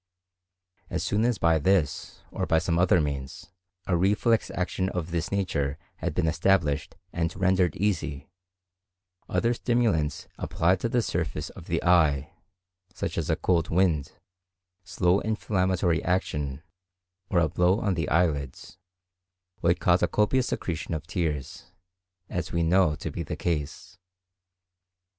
As soon as by this, or by some other means, a reflex action of this nature had been established and rendered easy, other stimulants applied to the surface of the eye—such as a cold wind, slow inflammatory action, or a blow on the eyelids—would cause a copious secretion of tears, as we know to be the case.